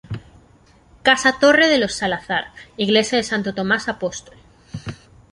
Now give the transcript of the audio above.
Casa-torre de los Salazar, iglesia de Santo Tomás Apóstol.